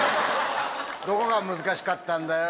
どこが難しかったんだよ？